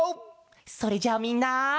それじゃあみんな。